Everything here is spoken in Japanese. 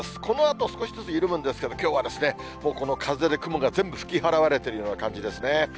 このあと少しずつ緩むんですけど、きょうはもうこの風で、雲が全部吹き払われてるような感じですね。